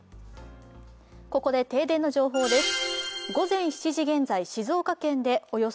ここで停電の情報です。